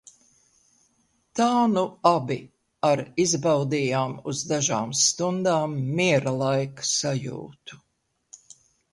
"Tā nu abi ar izbaudījām uz dažām stundām "miera laika" sajūtu."